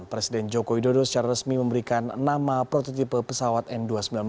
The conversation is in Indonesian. presiden joko widodo secara resmi memberikan nama prototipe pesawat n dua ratus sembilan belas